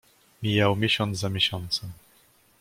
"Mijał miesiąc za miesiącem."